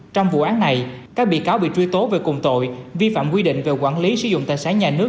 trong vụ án này các bị cáo bị truy tố về cùng tội vi phạm quy định về quản lý sử dụng tài sản nhà nước